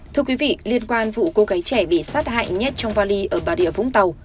thưa quý vị liên quan vụ cô gái trẻ bị sát hại nhất trong vali ở bà địa vũng tàu